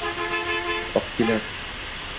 Oqib kelar